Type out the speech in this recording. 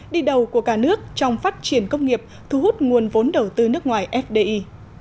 đi đầu của cả nước trong phát triển công nghiệp thu hút nguồn vốn đầu tư nước ngoài fdi